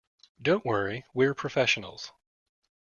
Don't worry, we're professionals.